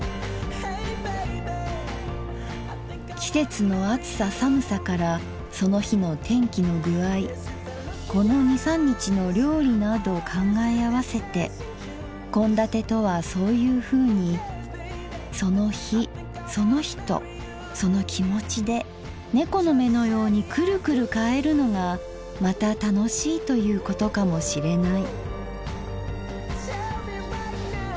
「季節の暑さ寒さからその日の天気の工合この二三日の料理など考え合わせて献立とはそういう風にその日その人その気持で猫の目のようにクルクル変えるのがまた楽しいということかも知れない」。